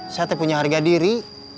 saya punya harga diri